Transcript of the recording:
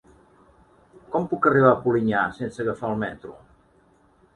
Com puc arribar a Polinyà sense agafar el metro?